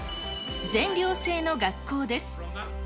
全寮制の学校です。